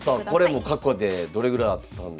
これも過去でどれぐらいあったんですか？